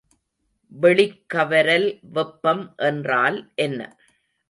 வெளிக்கவரல் வெப்பம் என்றால் என்ன?